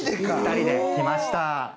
２人で来ました。